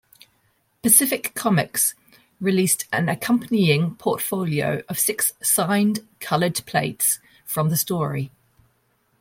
Pacific Comics released an accompanying portfolio of six signed, colored plates from the story.